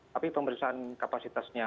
tapi pemeriksaan kapasitasnya